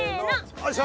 よいしょ。